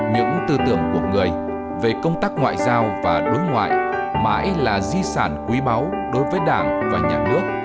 những tư tưởng của người về công tác ngoại giao và đối ngoại mãi là di sản quý báu đối với đảng và nhà nước